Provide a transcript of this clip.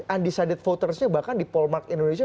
undecided votersnya bahkan di poll mark indonesia